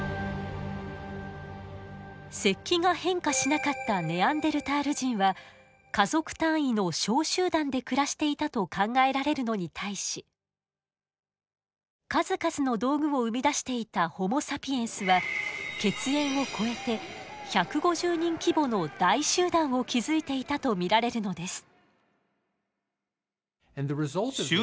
石器が変化しなかったネアンデルタール人は家族単位の小集団で暮らしていたと考えられるのに対し数々の道具を生み出していたホモ・サピエンスは血縁を超えて１５０人規模の大集団を築いていたと見られるのです。